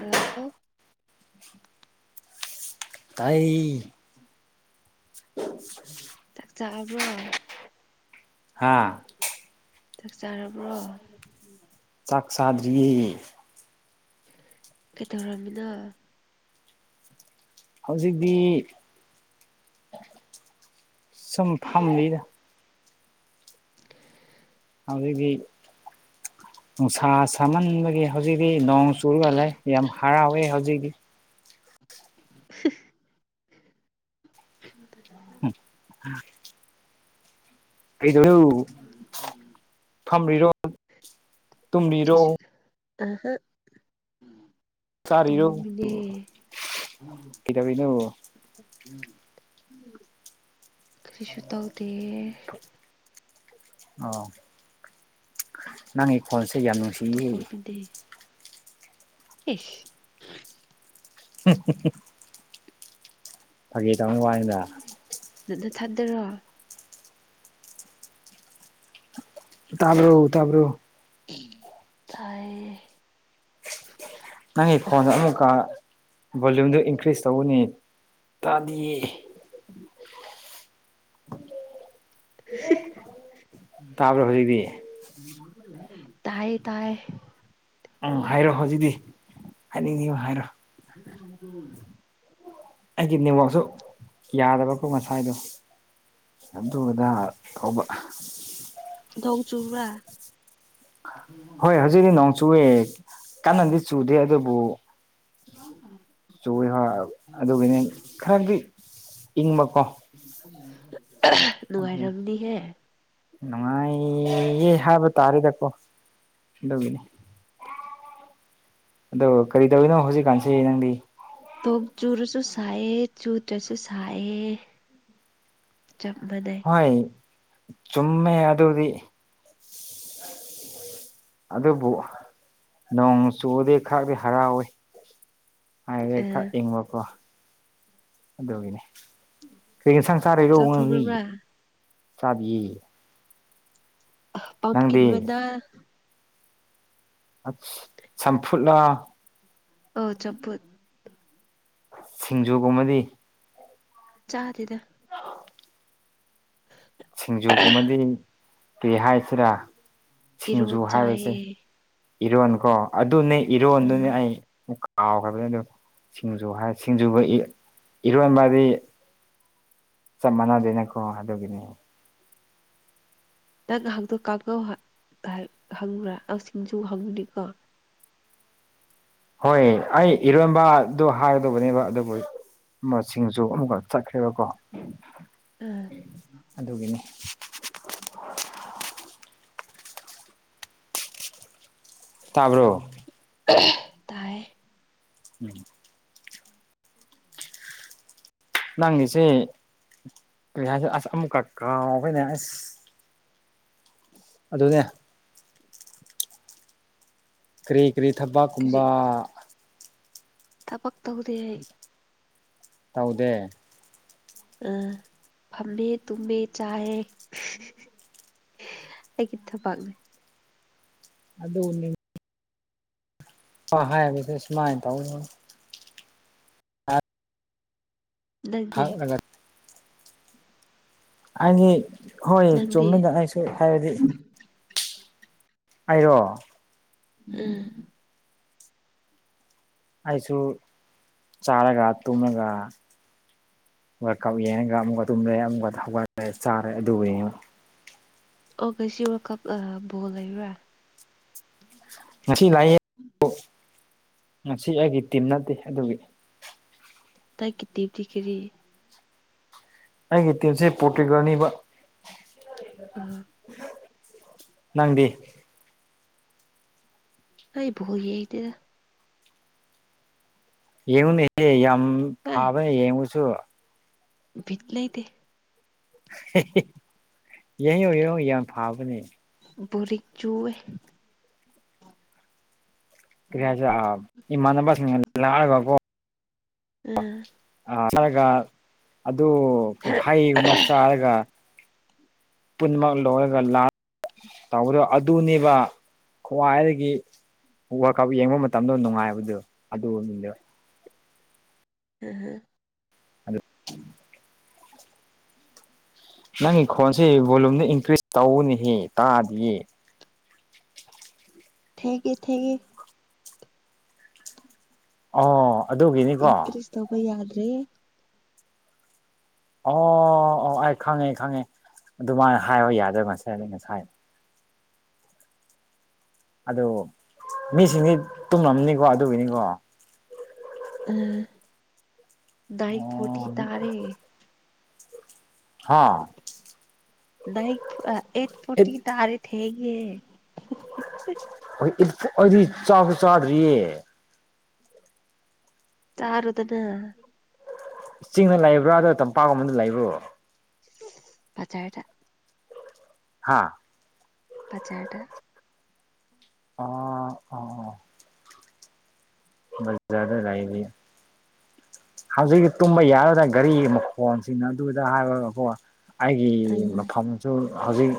ꯑꯥ ꯇꯥꯏꯌꯦ [unintelligible] ꯆꯥꯛ ꯆꯥꯕ꯭ꯔꯣ ꯍꯥ ꯆꯛ ꯆꯥꯔꯕ꯭ꯔꯣ ꯆꯥꯛ ꯆꯥꯗ꯭ꯔꯤꯌꯦ ꯀꯩꯗꯧꯔꯝꯃꯤꯅꯣ ꯍꯧꯖꯤꯛꯇꯤ ꯁꯨꯝ ꯐꯝꯂꯤꯗ ꯍꯧꯖꯤꯛꯗꯤ ꯅꯨꯡꯁꯥ ꯁꯥꯃꯟꯕꯒꯤ ꯍꯧꯖꯤꯛꯇꯤ ꯅꯣꯡ ꯆꯨꯔꯒ ꯂꯩ ꯌꯥꯝ ꯍꯔꯥꯎꯋꯦ ꯍꯧꯖꯤꯛꯇꯤ ꯎꯝ ꯎꯝ ꯀꯩꯗꯧꯔꯨ ꯐꯝꯃꯤꯔꯣ ꯀꯩꯁꯨ ꯑꯍꯥ ꯆꯥꯔꯤꯔꯣ ꯇꯨꯝꯃꯤꯝ ꯃꯤꯅꯦ ꯀꯩꯗꯧꯔꯤꯅꯣ ꯀꯔꯤꯁꯨ ꯇꯧꯗꯦ ꯑꯥ ꯅꯪꯒꯤ ꯈꯣꯟꯁꯦ ꯌꯥꯝ ꯅꯨꯡꯁꯤꯌꯦ ꯗꯤ ꯏꯁ ꯎꯝ ꯋꯥꯅꯤꯗ ꯅꯗ ꯊꯥꯗꯔꯣ ꯇꯥꯕ꯭ꯔꯣ ꯇꯥꯕ꯭ꯔꯣ ꯇꯌꯦ ꯅꯪꯒꯤ ꯐꯣꯟꯗ ꯑꯃꯨꯛꯀ ꯚꯣꯂꯨꯝꯗ ꯏꯟꯀ꯭ꯔꯤꯁ ꯇꯧꯑꯣꯅꯦ ꯇꯥꯗꯤꯌꯦ ꯇꯥꯕ꯭ꯔꯣ ꯍꯧꯖꯤꯛꯇꯤ ꯇꯥꯏ ꯇꯥꯏ ꯎꯝ ꯍꯥꯏꯔꯣ ꯍꯧꯖꯤꯛꯇꯤ ꯍꯥꯏꯅꯤꯡꯉꯨ ꯍꯥꯏꯔꯣ [unintelligible] ꯑꯩꯒꯤ ꯅꯅꯤꯋꯥꯛꯁꯨ ꯌꯥꯗꯕꯀꯣ ꯉꯁꯥꯏꯗꯣ ꯑꯗꯨꯗ ꯇꯧꯕ ꯊꯧ ꯆꯨꯕꯔ ꯍꯣꯏ ꯍꯧꯖꯤꯛꯇꯤ ꯅꯣꯡ ꯆꯨꯑꯦ ꯀꯟꯅꯗꯤ ꯆꯨꯗꯦ ꯑꯗꯨꯕꯨ [unintelligible] ꯆꯣꯏ ꯍꯔꯛ ꯑꯗꯨꯒꯤꯅꯦ ꯈꯔꯗꯤ ꯏꯪꯕꯀꯣ ꯑꯗꯨꯒꯤꯅꯤ ꯅꯉꯥꯏꯔꯝꯅꯤꯍꯦ ꯅꯨꯡꯉꯥꯏꯌꯦ ꯍꯥꯏꯕ ꯇꯥꯔꯦꯗꯀꯣ ꯑꯗꯨꯒꯤꯅꯤ ꯑꯗꯣ ꯀꯔꯤ ꯇꯧꯔꯤꯅꯣ ꯍꯧꯖꯤꯛꯀꯥꯟꯁꯤ ꯅꯪꯗꯤ ꯇꯣꯡꯆꯨꯔꯁꯨ ꯁꯥꯏ ꯆꯨꯗ꯭ꯔꯁꯨ ꯁꯥꯏꯌꯦ ꯆꯞ ꯃꯥꯟꯅꯩ ꯍꯥꯏ ꯆꯨꯝꯃꯦ ꯑꯗꯨꯗꯤ ꯑꯗꯨꯕꯨ ꯅꯣꯡ ꯆꯨꯕꯗꯤ ꯈꯔꯗꯤ ꯍꯔꯥꯎꯋꯤ ꯍꯥꯏ ꯑ ꯈꯛ ꯏꯪꯕꯀꯣ ꯑꯗꯨꯒꯤꯅꯦ ꯀ꯭ꯔꯤ ꯏꯟꯁꯥꯡ ꯆꯥꯔꯤꯔꯣ ꯆꯥꯛ ꯅꯪꯗꯤ ꯊꯣꯡꯉꯕ꯭ꯔꯥ ꯆꯥꯕꯤꯌꯦ [unintelligible] ꯄꯝꯀꯤꯟ ꯅꯪꯗꯤ ꯃꯅꯥ ꯆꯝꯐꯨꯠꯂ ꯑꯧ ꯆꯝꯐꯨꯠ ꯁꯤꯡꯖꯨ ꯒꯨꯝꯕꯗꯤ ꯆꯥꯗꯦꯗ [inaudible] ꯁꯤꯡꯖꯨꯒꯨꯝꯕꯗꯤ ꯀ꯭ꯔꯤ ꯍꯥꯏꯁꯤꯔꯥ ꯏꯔꯣ ꯁꯤꯡꯖꯨ ꯍꯥꯏꯕꯁꯦ ꯆꯥꯏꯌꯦ ꯏꯔꯣꯅꯤꯀꯣ ꯑꯗꯨꯅꯦ ꯏꯔꯣꯟ ꯑ ꯗꯨꯅꯦ ꯑꯩ ꯀꯥꯎꯈ꯭ꯔꯕꯅꯤ ꯑꯗꯨ ꯁꯤꯡꯖꯨ ꯍꯥꯏ ꯁꯤꯡꯖꯨꯕꯨ ꯏꯔꯣꯟꯕꯗꯤ ꯆꯞ ꯃꯥꯟꯅꯗꯦꯅꯀꯣ ꯑꯗꯨꯒꯤꯅꯦ ꯅꯪ ꯉꯥꯏꯍꯥꯛꯇꯣ ꯀꯥꯡꯉꯧ ꯍꯪꯕ꯭ꯔꯥ ꯑꯪ ꯁꯤꯡꯖꯨ ꯍꯪꯉꯨꯅꯤꯀꯣ [unintelligible] ꯍꯣꯏ ꯑꯩ ꯏꯔꯣꯟꯕꯗꯨ ꯍꯥꯏꯒꯗꯧꯕꯅꯦꯕ ꯑꯗꯨꯕꯨ ꯃꯁꯤꯡꯁꯨ ꯑꯃꯨꯛꯀ ꯆꯠꯈ꯭ꯔꯦꯕꯀꯣ ꯑꯥ ꯑꯗꯨꯒꯤꯅꯤ ꯇꯥꯕ꯭ꯔꯣ [inaudible] ꯇꯥꯏꯌꯦ ꯎꯝ ꯎ [inaudible] ꯅꯪꯒꯤꯁꯤ ꯀ꯭ꯔꯤ ꯍꯥꯏꯁꯦ ꯑꯁ ꯑꯃꯨꯛꯀ ꯀꯥꯎꯈ꯭ꯔꯦꯅꯦ ꯑꯁ ꯑꯗꯨꯅꯦ ꯀ꯭ꯔꯤ ꯀ꯭ꯔꯤ ꯀꯔꯤ ꯊꯕꯛꯀꯨꯝꯕ ꯊꯕꯛ ꯇꯧꯗꯦ ꯑꯩ ꯇꯧꯗꯦ ꯎꯝ ꯐꯝꯕꯤ ꯇꯨꯝꯕꯤ ꯆꯥꯏꯌꯦ ꯑꯩꯒꯤ ꯊꯕꯛꯅꯦ ꯑꯗꯨꯅꯤ ꯑꯣ ꯍꯥꯏꯕꯗꯤ ꯁꯨꯃꯥꯏ ꯇꯧꯋꯦꯕ [unintelligible] ꯅꯪꯗꯤ ꯊꯛꯂꯒ ꯑꯥꯏꯗꯤ ꯍꯣꯏ ꯅꯪꯗꯤ ꯆꯨꯝꯃꯦꯗ ꯑꯩꯁꯨ ꯍꯥꯏꯔꯗꯤ ꯑꯩꯔꯣ ꯎꯝ ꯑꯩꯁꯨ ꯆꯥꯔꯒ ꯇꯨꯝꯔꯒ ꯋꯔ꯭ꯥꯜꯀꯞ ꯌꯦꯡꯔꯒ ꯑꯃꯨꯛꯀ ꯇꯨꯝꯔꯦ ꯑꯃꯨꯛꯀ ꯍꯧꯒꯠꯂꯦ ꯆꯥꯔꯦ ꯑꯗꯨꯕꯨ ꯌꯦꯉꯦ ꯑꯣ ꯀꯩꯁꯤ ꯋꯥꯀꯞ ꯑꯥ ꯕꯣꯜ ꯂꯩꯕ꯭ꯔꯥ ꯉꯁꯤ ꯂꯥꯏꯌꯦ ꯉꯁꯤ ꯑꯩꯒꯤ ꯇꯤꯝ ꯅꯠꯇꯦ ꯑꯗꯨꯒꯤ ꯗꯥꯏꯠꯀꯤ ꯗꯤꯌꯨꯇꯤ ꯀꯔꯤ ꯑꯩꯒꯤ ꯇꯤꯝꯁꯦ ꯄꯔꯣꯇꯨꯒꯜꯅꯦꯕ ꯎꯝ ꯅꯪꯗꯤ ꯑꯩ ꯕꯣꯜ ꯌꯦꯡꯗ‌ꯦꯗ ꯌꯦꯡꯉꯨꯅꯦꯍꯦ ꯌꯥꯝ ꯚꯥꯏ ꯐꯥꯕꯅꯦ ꯌꯦꯡꯉꯨꯆ‌ꯣ ꯕꯤꯠ ꯂꯩꯩꯇꯦ [unintelligible] ꯌꯦꯡꯌꯨ ꯌꯦꯡꯉꯨ ꯌꯥꯝ ꯐꯥꯕꯅꯦ ꯕꯣꯔꯤꯡ ꯆꯨꯋ‌ꯦ ꯀꯔꯤ ꯍꯥꯏꯁꯤꯔ ꯑꯥ ꯏꯃꯥꯟꯅꯕꯁꯤꯡꯅ ꯂꯥꯛꯑꯒꯀꯣ ꯎꯝ ꯑꯥ ꯆꯥꯔꯒ ꯑꯗꯣ ꯍꯩꯒꯨꯝꯕ ꯆꯥꯔꯒ ꯄꯨꯟꯃꯛ ꯂꯣꯏꯔꯒ ꯂꯥꯛ ꯇꯧꯕꯗꯣ ꯑꯗꯨꯅꯦꯕ ꯈ꯭ꯋꯥꯏꯗꯒꯤ ꯋꯥꯔꯜꯀꯞ ꯌꯦꯡꯕ ꯃꯇꯝꯗ ꯅꯨꯡꯉꯥꯏꯕꯗꯨ ꯑꯗꯨꯗꯨꯅꯦꯕ ꯎꯝ ꯍꯨꯝ ꯑꯗꯨ ꯅꯪꯒꯤ ꯈꯣꯟꯁꯦ ꯚꯣꯂꯨꯝꯗ ꯏꯟꯀ꯭ꯔꯤꯁ ꯇꯧꯑꯣꯅꯦꯍꯦ ꯇꯥꯗꯤꯌꯦ ꯊꯦꯡꯉꯤ ꯊꯦꯡꯉꯤ ꯑꯣ ꯑꯗꯨꯒꯤꯅꯤꯀꯣ ꯏꯪꯀ꯭ꯔꯤꯁ ꯇꯧꯕ ꯌꯥꯗ꯭ꯔꯦ ꯑꯣ ꯑꯣ ꯑꯩ ꯈꯪꯉꯦ ꯈꯪꯉꯦ ꯑꯗꯨꯃꯥꯏꯅ ꯍꯥꯏꯕ ꯌꯥꯗ꯭ꯔꯥ ꯉꯁꯥꯏꯅ ꯉꯁꯥꯏ ꯑꯗꯨ ꯃꯤꯁꯤꯡꯗꯤ ꯇꯨꯝꯂꯝꯅꯤꯀꯣ ꯑꯗꯨꯒꯤꯅꯤꯀꯣ ꯎꯝ ꯅꯥꯏꯟ ꯐꯣꯔꯇꯤ ꯇꯥꯔꯦ ꯍꯥꯥ ꯅꯥꯏꯟ ꯑ ꯑꯩꯠ ꯏꯠ ꯐꯣꯔꯇꯤ ꯇꯥꯔꯦ ꯊꯦꯡꯉꯦ ꯍꯧꯖꯤꯛꯄꯨ ꯑꯩꯗꯤ ꯆꯥꯛꯄꯨ ꯆꯥꯗ꯭ꯔꯤꯌꯦ ꯆꯥꯔꯣꯗꯅ ꯆꯤꯡꯗ ꯂꯩꯕ꯭ꯔꯥ ꯑꯗ‌ꯣ ꯇꯝꯄꯥꯛ ꯀꯨꯝꯕꯗ ꯂꯩꯕ꯭ꯔꯣ ꯕꯖꯥꯔꯗ ꯍꯥꯥ ꯕꯖꯥꯔꯗ ꯑꯣ ꯑꯣ ꯕꯖꯥꯔꯗ ꯂꯩꯌ‌ꯦ ꯍꯧꯖꯤꯛ ꯇꯨꯝꯕ ꯌꯥꯔꯣꯏꯗ ꯒꯥꯔꯤ ꯃꯈꯣꯟꯁꯤꯡꯅ ꯗꯨꯗ ꯍꯥꯏꯔꯒꯀꯣ ꯑꯩꯒꯤ ꯎꯝ ꯃꯐꯝꯁꯨ ꯍꯧꯖꯤꯛ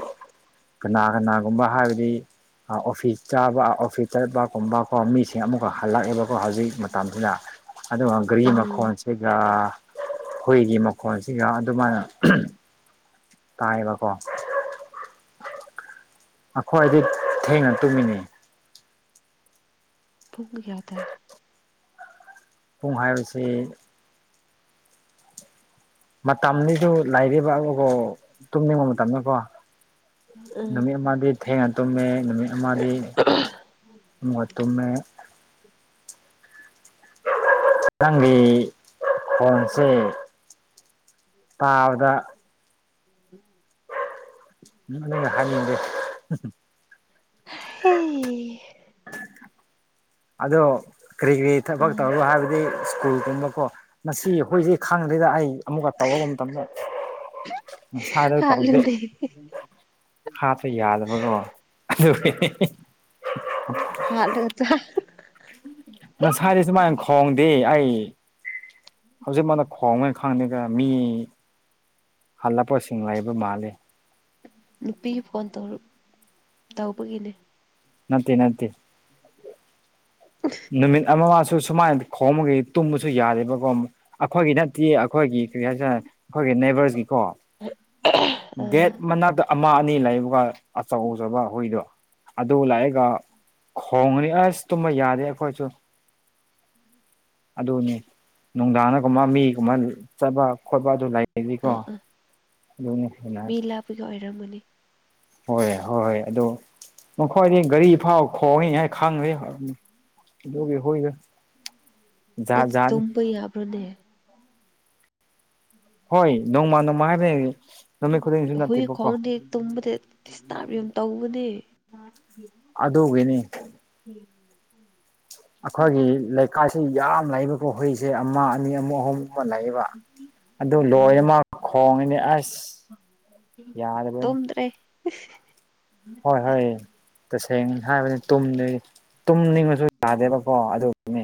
ꯀꯅꯥ ꯀꯅꯥꯒꯨꯝꯕ ꯍꯥꯏꯕꯗꯤ ꯑꯣꯐꯤꯁ ꯆꯥꯕ ꯑꯣꯐꯤꯁ ꯆꯠꯄꯒꯨꯝꯕ ꯀꯣ ꯃꯤꯁꯤꯡ ꯑꯃꯨꯛꯀ ꯍꯜꯂꯛꯑꯦꯕ ꯀ‌ꯣ ꯍꯧꯖꯤꯛ ꯃꯇꯝꯁꯤꯗ ꯑꯗꯨꯒ ꯒꯔꯤ ꯎꯝ ꯃꯈꯣꯟ ꯑꯗꯨꯒ ꯍꯨꯏꯒꯤ ꯃꯈꯣꯟꯁꯤꯒ ꯑꯗꯨꯃꯥꯏꯅ ꯇꯥꯏꯌꯦꯕꯀꯣ ꯑꯩꯈꯣꯏꯗꯤ ꯊꯦꯡꯅ ꯇꯨꯝꯃꯤꯅꯦ ꯄꯨꯡ ꯀꯌꯥꯗ ꯄꯨꯡ ꯍꯥꯏꯕꯁꯤ ꯃꯇꯝꯗꯤ ꯁꯤꯁꯨ ꯂꯥꯏꯔꯤꯛ ꯄꯥꯕꯕꯨ ꯇꯨꯝꯅꯤꯡꯕ ꯃꯇꯝꯅꯤꯀꯣ ꯎꯝ ꯅꯨꯃꯤꯠ ꯑꯃꯗꯤ ꯊꯦꯡꯅ ꯇꯨꯝꯃꯦ ꯅꯨꯃꯤꯠ ꯑꯃꯗꯤ ꯑꯃꯒ ꯇꯨꯝꯃꯦ ꯅꯪꯒꯤ ꯈ‌ꯣꯟꯁꯦ ꯇꯥꯕꯗ [inaudible] ꯍꯩ꯫ ꯑꯗꯣ ꯀ꯭ꯔꯤ-ꯀ꯭ꯔꯤ ꯊꯕꯛ ꯇꯧꯔꯣ ꯍꯥꯏꯕꯗꯤ ꯁ꯭ꯀꯨꯜꯒꯨꯝꯕꯀꯣ ꯃꯁꯤ ꯍꯨꯏꯁꯦ ꯈꯪꯗꯦꯗ ꯑꯩ꯫ ꯑꯃꯨꯛꯀ ꯇꯧꯕꯒꯨꯝ ꯃꯇꯝꯗ ꯉꯁꯥꯏꯗ ꯇꯧꯗꯦ꯫ ꯍꯥꯠꯂꯨꯅꯦ ꯍꯥꯠꯄ ꯌꯥꯗꯕꯀꯣ ꯑꯗꯨꯒꯤ [unintelligible] ꯍꯥꯠꯂꯒ ꯆꯥ [unintelligible] ꯉꯁꯥꯏꯗꯤ ꯁꯨꯃꯥꯏꯅ ꯈꯣꯡꯗꯦ ꯑꯩ ꯍꯧꯖꯤꯛꯃꯛꯅ ꯈꯣꯡꯉ ꯈꯪꯗꯦ꯫ ꯒ ꯃꯤ ꯍꯜꯂꯛꯄꯁꯤꯡ ꯂꯩꯕ ꯃꯥꯜꯂꯦ꯫ ꯅꯨꯄꯤ ꯐꯣꯟ ꯇꯧꯔꯛ ꯇꯧꯕꯒꯤꯅꯦ꯫ ꯅꯠꯇꯦ-ꯅꯠꯇꯦ꯫ ꯅꯨꯃꯤꯠ ꯑꯃ ꯃꯥꯁꯨ ꯁꯨꯃꯥꯏꯅ ꯈꯣꯡꯕꯒꯤ ꯇꯨꯝꯕꯁꯨ ꯌꯥꯗꯦꯕꯀꯣ꯫ ꯑꯈꯣꯏꯒꯤ ꯅꯠꯇꯦ ꯑꯈꯣꯏꯒꯤ ꯀꯔꯤ ꯍꯥꯏꯁꯤꯔꯥ ꯑꯈꯣꯏꯒꯤ ꯅꯦꯕꯔꯁꯒꯤꯀꯣ꯫ ꯒꯦꯠ ꯑꯥ ꯃꯅꯥꯛꯇ ꯑꯃ ꯑꯅꯤ ꯂꯩꯕꯒ ꯑꯆꯧ ꯆꯧꯕ ꯍꯨꯏꯗꯣ꯫ ꯑꯗꯨ ꯂꯩꯔꯥꯒ ꯈꯣꯡꯉꯅꯤ ꯑꯁ ꯇꯨꯝꯕ ꯌꯥꯗꯦ ꯑꯈꯣꯏꯁꯨ꯫ ꯑꯗꯨꯅꯤ ꯅꯨꯡꯗꯥꯡꯅꯒꯨꯝꯕ ꯃꯤꯒꯨꯝꯕ ꯆꯠꯕ ꯈꯣꯠꯄ ꯑꯗꯨ ꯂꯩꯔꯗꯤꯀꯣ꯫ ꯑꯥ ꯗꯨꯅꯤ ꯑꯩꯅꯥ ꯍꯥꯏ ꯄꯤꯒꯤ ꯑꯣꯏꯔꯝꯃꯅꯤ꯫ ꯍꯣꯏ-ꯍꯣꯏ ꯑꯗꯨ ꯃꯈꯣꯏꯗꯤ ꯒꯥꯔꯤ ꯐꯥꯎ ꯈꯣꯡꯉꯤꯅꯤ ꯍꯥꯏ ꯈꯪꯗꯦ꯫ ꯑꯗꯨꯒꯤ ꯍꯨꯏꯗꯣ꯫ ꯖꯥꯠ ꯑꯁ ꯖꯥꯠꯅꯤ ꯇꯨꯝꯕ ꯌꯥꯕ꯭ꯔꯣꯅꯦ꯫ [unintelligible] ꯍꯣꯏ ꯅꯣꯡꯃ ꯅꯣꯡꯃ ꯍꯥꯏꯕꯅꯤ꯫ ꯅꯨꯃꯤꯠ ꯈꯨꯗꯤꯡꯁꯨ ꯍꯨꯏ ꯅꯠꯇꯦꯕꯀꯣ ꯈꯣꯡꯉꯥꯗꯤ ꯇꯨꯝꯕꯗ ꯗꯤꯁꯇꯥꯔꯕ ꯌꯥꯝ ꯇꯧꯕꯅꯦ [inaudible] ꯑꯗꯨꯒꯤꯅꯤ꯫ [inaudible] ꯑꯈꯣꯏꯒꯤ ꯂꯩꯀꯥꯏꯁꯤ ꯌꯥꯝ ꯂꯩꯕꯀꯣ ꯍꯨꯏꯁꯦ ꯑꯃ ꯑꯅꯤ ꯑꯃꯨ ꯑꯍꯨꯝ꯫ ꯃ ꯂꯩꯌꯦꯕ ꯑꯗꯨ ꯎꯝ ꯂꯣꯏꯅꯃꯥꯛ ꯈꯣꯡꯉꯅꯤ ꯑꯁ꯫ ꯌꯥꯗꯕꯅꯤ꯫ ꯇꯨꯝꯗ꯭ꯔꯦ [unintelligible] ꯍꯣꯏ-ꯍꯣꯏ꯫ ꯇꯁꯦꯡꯅ ꯍꯥꯏꯕꯗ ꯇꯨꯝꯗꯦ ꯇꯨꯝꯅꯤꯡꯉꯁꯨ ꯌꯥꯗꯦꯕꯀꯣ ꯑꯗꯨꯒꯤꯅꯤ꯫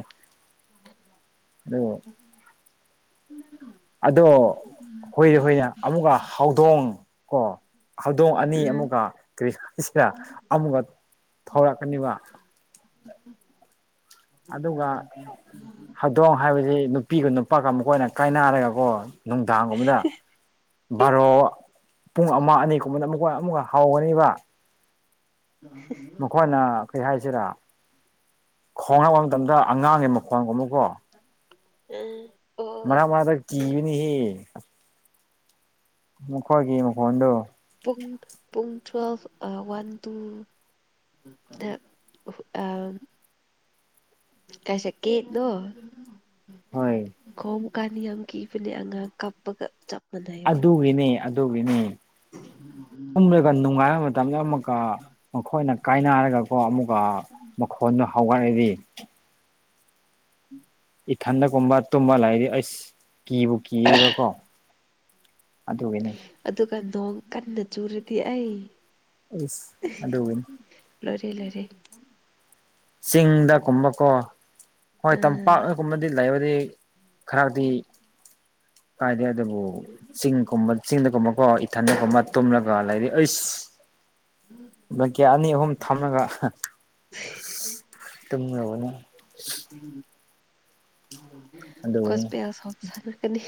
[inaudible] ꯑꯗꯨ [inaudible] ꯑꯗꯣ ꯍꯨꯏ ꯍꯨꯏꯅꯦ ꯑꯃꯨꯛꯀ ꯍꯧꯗꯣꯡ ꯀꯣ꯫ ꯍꯧꯗꯣꯡ ꯑꯅꯤ ꯎꯝ ꯑꯃꯨꯛꯀ ꯀꯔꯤ ꯍꯥꯏꯁꯤꯔꯥ ꯑꯃꯨꯛꯀ ꯊꫭꯔꯛꯀꯅꯤꯕ꯫ ꯑꯗꯨꯒ [inaudible] ꯍꯧꯗꯣꯡ ꯍꯥꯏꯕꯁꯤ ꯅꯨꯄꯤꯒ ꯅꯨꯄꯥꯒ ꯃꯈꯣꯏꯅ ꯀꯥꯏꯅꯔꯦꯒ ꯀꯣ꯫ ꯅꯨꯡꯗꯥꯡ ꯒꯨꯝꯕꯗꯥ ꯕꯥꯔꯣ꯫ ꯄꯨꯡ ꯑꯃ ꯑꯅꯤꯒꯨꯝꯕꯗ ꯑꯃꯨꯛꯀ ꯑꯃꯨꯛꯀ ꯍꯥꯎꯒꯅꯤꯕ꯫ [unintelligible] ꯃꯈꯣꯏꯅ ꯀꯩ ꯍꯥꯏꯁꯤꯔꯥ ꯈꯣꯡꯂꯛꯄ ꯃꯇꯝꯗ ꯑꯉꯥꯡꯒꯤ ꯃꯈꯣꯟꯒꯨꯝꯕꯀꯣ꯫ ꯎꯝ ꯑꯣ ꯃꯔꯛ ꯃꯔꯛꯇ ꯀꯤꯕꯅꯤꯍꯦ꯫ ꯃꯈꯣꯏꯒꯤ ꯃꯈꯣꯟꯗꯣ ꯄꯨꯡ ꯄꯨꯡ ꯇ꯭ꯨꯋꯦꯜꯐ ꯑꯥ ꯋꯥꯟ ꯇꯨ [unintelligible] ꯍꯨ ꯑꯥꯝ ꯀꯥꯏ ꯆꯠ ꯀꯦꯅ‌ꯣ ꯍꯣꯏ ꯈꯣꯝ ꯀꯥꯟ ꯌꯥꯝ ꯀꯤꯕꯅꯦ ꯑꯉꯥꯡ ꯀꯞ ꯄꯒ ꯆꯞ ꯃꯥꯟꯅꯩꯕ ꯑꯗꯨꯒꯤꯅꯦ ꯑꯗꯨꯒꯤꯅꯦ ꯐꯝꯔꯒ ꯅꯨꯡꯉꯥꯏꯕ ꯃꯇꯝꯗ ꯑꯃꯛꯀ ꯃꯈꯣꯏꯅ ꯀꯥꯏꯅꯔꯒꯀꯣ ꯑꯃꯨꯛꯀ ꯃꯈꯣꯟꯗꯣ ꯍꯧꯍꯥꯏꯌꯗꯤ [unintelligible] ꯏꯊꯟꯗ ꯒꯨꯝꯕ ꯇꯨꯝꯃ ꯂꯩꯔꯤ ꯑꯩꯁ ꯀꯤꯕꯨ ꯀꯤꯌꯦꯕꯀꯣ ꯑꯗꯨꯒꯤꯅꯤ ꯑꯗꯨꯒ ꯅꯣꯡ ꯀꯟꯅ ꯆꯨꯔꯗꯤ ꯑꯩ ꯑꯩꯁ ꯑꯗꯨꯒꯤꯅꯤ ꯂꯣꯏꯔꯦ ꯂꯣꯏꯔꯦ ꯆꯤꯡꯗ ꯀꯨꯝꯕ ꯀꯣ ꯍꯣꯏ ꯑꯥ ꯇꯝꯄꯥꯛ ꯀꯨꯝꯃꯗꯤ ꯂꯩꯕꯗꯤ ꯈꯔꯗꯤ ꯀꯥꯏꯗꯦ ꯗꯕꯨ ꯆꯤꯡꯈꯨꯝꯕ ꯆꯤꯡꯗꯒꯨꯝꯕꯀꯣ ꯏꯊꯟꯗꯒꯨꯝꯕ ꯇꯨꯝꯂꯒ ꯂꯩꯔꯤ ꯑꯩꯁ ꯕꯂꯥꯡꯀꯦꯠ ꯑꯅꯤ ꯑꯍꯨꯝ ꯊꯝꯂꯒ ꯍꯥ [unintelligible] ꯇꯨꯝꯔꯕꯣꯅꯦ [unintelligible] ꯑꯗꯨꯒꯅꯤ ꯒꯣꯁꯄꯦꯜ ꯁꯣꯡ ꯁꯛꯂꯛꯀꯅꯤ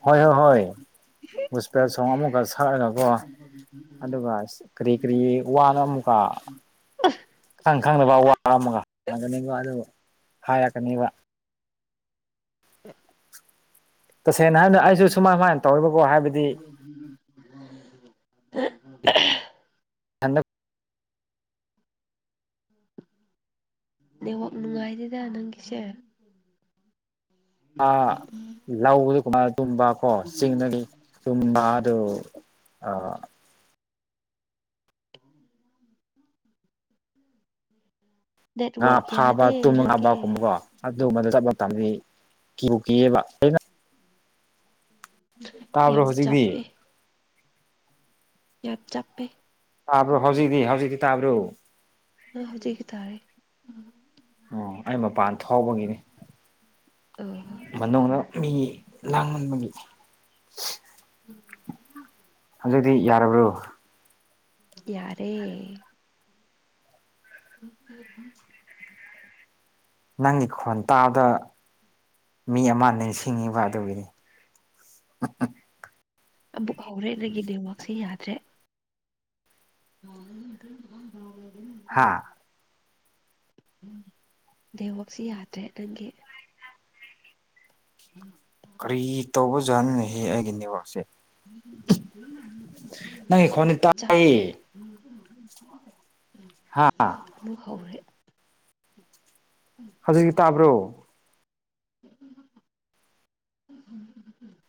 ꯍꯣꯏ ꯌ ꯍꯣꯏ ꯒꯣꯁꯄꯦꯜ ꯁꯣꯡ ꯑꯃꯨꯒ ꯁꯑꯥ ꯒꯀꯣ ꯑꯗꯨꯒ ꯀꯔꯤ ꯀꯔꯤ ꯋꯥꯅ ꯑꯃꯨꯛꯀ ꯈꯪ ꯈꯪꯗꯕ ꯑꯋꯥ ꯑꯃꯥꯒ ꯑ‌ꯣꯏꯔꯝꯒꯅꯤꯕ ꯋꯥ ꯑꯗꯨꯒ ꯍꯥꯏꯔꯛꯀꯅꯤꯕ [unintelligible] ꯇꯁꯦꯡꯅ ꯍꯥꯏꯝꯅ ꯑꯩꯁꯨ ꯁꯨꯃꯥ ꯃꯥꯏꯟ ꯇꯧꯋ‌ꯦꯕꯀꯣ ꯍꯥꯏꯕꯗꯤ [unintelligible] ꯍꯟꯗꯛ ꯅꯦꯋꯥꯛ ꯅꯨꯡꯉꯥꯏꯗꯦꯗ ꯅꯪꯒꯤꯁꯦ ꯑꯥ ꯂꯧ ꯒꯤ ꯀꯨꯃꯥꯏ ꯈꯨꯝꯕ ꯀ‌ꯣ ꯆꯤꯡꯗꯒꯤ ꯆꯨꯝꯕ ꯗꯨ ꯑꯥ [inaudible] ꯉꯥ ꯅꯦꯠꯋꯥꯛ ꯐꯥꯕ ꯌꯥꯗꯦ ꯇꯨꯝ ꯉꯥ ꯕ ꯅꯪꯒꯤ ꯀꯨꯝꯕꯀꯣ ꯑꯗꯨꯝꯕꯗ ꯆꯠꯄ ꯇꯝꯗꯤ ꯀꯤꯕꯨ ꯀꯤꯌ‌ꯦꯕ ꯑꯩꯅ ꯇꯥꯕ꯭ꯔꯣ ꯌꯥꯝ ꯍꯧꯖꯤꯛꯇꯤ ꯆꯞꯄꯦ ꯌꯥꯝ ꯆꯞꯄꯦ ꯇꯥꯥꯕ꯭ꯔꯣ ꯍꯧꯖꯤꯛꯗꯤ ꯍꯧꯖꯤꯛꯗꯤ ꯇꯥꯕ꯭ꯔꯣ ꯅ ꯍꯧꯖꯤꯛꯇꯤ ꯇꯥꯔꯦ ꯑꯣ ꯑꯩ ꯃꯄꯥꯟ ꯊꯣꯎꯕꯒꯤꯅꯤ ꯑꯣ ꯃꯅꯨꯡꯗ ꯃꯤ ꯂꯥꯡꯃꯟꯕꯒꯤ [unintelligible] ꯍꯧꯖꯤꯛꯇꯤ ꯌꯥꯔꯕ꯭ꯔꯣ ꯌꯥꯔꯦ [unintelligible] ꯅꯪꯒꯤ ꯈꯣꯟ ꯇꯥꯗ ꯃꯤ ꯑꯃꯥ ꯅꯤꯔꯁꯤꯡꯉꯤꯕ ꯑꯗꯨꯒꯤꯅꯤ [unintelligible] ꯑꯃꯨꯛ ꯍꯧꯔꯦ ꯅꯪꯒꯤ ꯅꯦꯋꯥꯛꯁꯦ ꯌꯥꯗ꯭ꯔꯦ ꯍꯥ [unintelligible] ꯎꯝ ꯗꯦꯋꯥꯛꯁꯤ ꯌꯥꯗ꯭ꯔꯦ ꯅꯪꯒꯤ ꯑ ꯀꯔꯤ ꯇꯧꯕꯖꯥꯠꯅꯣꯅꯦꯍꯦ ꯑꯩꯒꯤ ꯅꯦꯋꯥꯛꯁꯦ ꯅꯪꯒꯤ ꯈꯣꯟꯗꯤ ꯇꯥꯏꯌꯦ ꯆꯞꯄꯦ ꯍꯥ ꯑꯃꯨꯛ ꯍꯧꯈꯔꯦ ꯍꯧꯖꯤꯛꯇꯤ ꯇꯥꯕ꯭ꯔꯣ [unintelligible]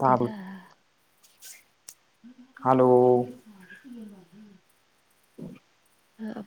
ꯇꯥꯕ ꯍꯜꯂꯣ [unintelligible] [unintelligible] ꯑ [unintelligible]